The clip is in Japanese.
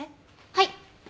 はい。